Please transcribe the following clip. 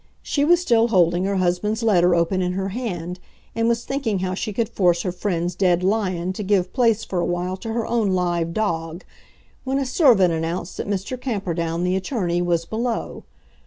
She was still holding her husband's letter open in her hand, and was thinking how she could force her friend's dead lion to give place for a while to her own live dog, when a servant announced that Mr. Camperdown, the attorney, was below.